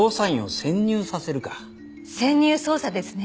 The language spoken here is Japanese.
潜入捜査ですね。